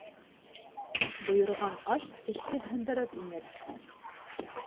Бойорған аш теште һындырып инер.